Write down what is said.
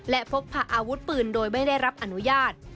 และพกพาอาวุธปืนโดยไม่ได้รับอนุญาต